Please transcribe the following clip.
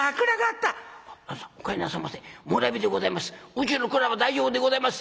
うちの蔵は大丈夫でございます」。